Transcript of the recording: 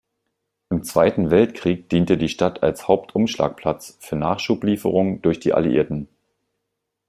Im Zweiten Weltkrieg diente die Stadt als Hauptumschlagplatz für Nachschublieferungen durch die Alliierten.